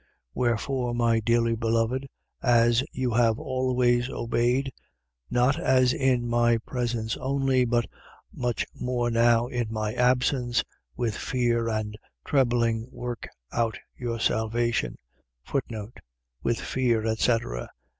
2:12. Wherefore, my dearly beloved, (as you have always obeyed, not as in my presence only but much more now in my absence) with fear and trembling work out your salvation. With fear, etc. ..